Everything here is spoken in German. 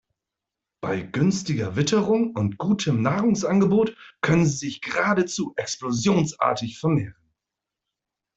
Bei günstiger Witterung und gutem Nahrungsangebot können sie sich geradezu explosionsartig vermehren.